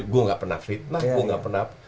gue gak pernah fitnah